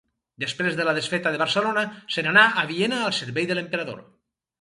Després de la desfeta de Barcelona se n'anà a Viena al servei de l'emperador.